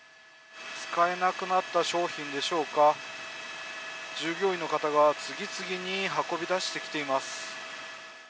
使えなくなった商品でしょうか、従業員の方が、次々に運び出してきています。